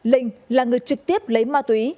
linh là người trực tiếp lấy ma túy